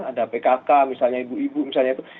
ada pkk misalnya ibu ibu misalnya itu